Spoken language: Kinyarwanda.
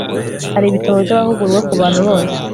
hari ibitabo by'abahugurwa ku bantu bose